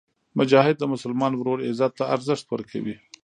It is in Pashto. مجاهد د مسلمان ورور عزت ته ارزښت ورکوي.